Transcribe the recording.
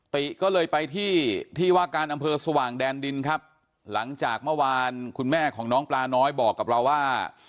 ติก็เลยไปที่ที่ว่าการอำเภอสว่างแดนดินครับหลังจากเมื่อวานคุณแม่ของน้องปลาน้อยบอกกับเราว่า